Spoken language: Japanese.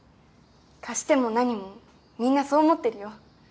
貸してもなにもみんなそう思ってるよ。